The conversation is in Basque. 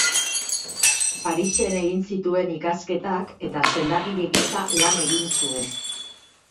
Parisen egin zituen ikasketak, eta sendagile gisa lan egin zuen.